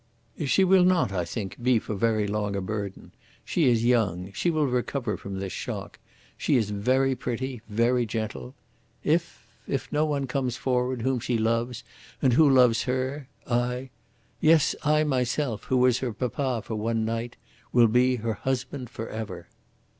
"She will not, I think, be for very long a burden. She is young. She will recover from this shock. She is very pretty, very gentle. If if no one comes forward whom she loves and who loves her I yes, I myself, who was her papa for one night, will be her husband forever."